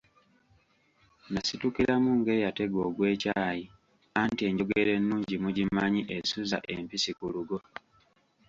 Nasitukiramu ng'eyatega ogw'ekyayi, anti enjogera ennungi mugimanyi esuza empisi ku lugo.